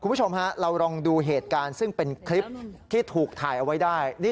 คุณผู้ชมฮะเราลองดูเหตุการณ์ซึ่งเป็นคลิปที่ถูกถ่ายเอาไว้ได้